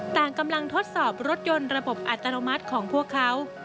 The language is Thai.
ต่างกำลังทดสอบรถยนต์ระบบอัตโนมัติของพวกเขา